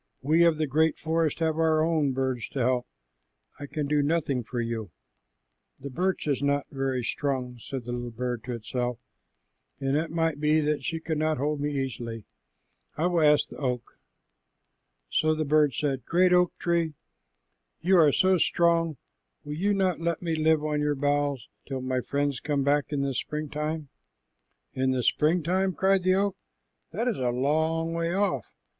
"We of the great forest have our own birds to help. I can do nothing for you." "The birch is not very strong," said the little bird to itself, "and it might be that she could not hold me easily. I will ask the oak." So the bird said, "Great oak tree, you are so strong, will you not let me live on your boughs till my friends come back in the springtime?" "In the springtime!" cried the oak. "That is a long way off.